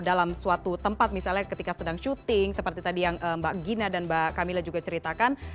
dalam suatu tempat misalnya ketika sedang syuting seperti tadi yang mbak gina dan mbak camilla juga ceritakan